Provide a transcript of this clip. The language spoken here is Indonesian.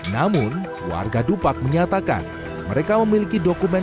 namun warga dupak menyatakan mereka memiliki dokumen